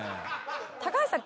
高橋さん。